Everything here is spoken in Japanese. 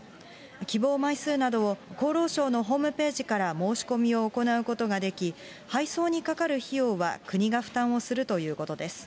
希望枚数などを厚労省のホームページから申し込みを行うことができ、配送にかかる費用は国が負担をするということです。